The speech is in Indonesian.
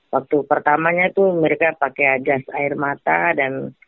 waktu pertamanya itu mereka pakai gas air mata dan